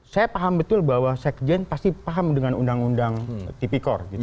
saya paham betul bahwa sekjen pasti paham dengan undang undang tipikor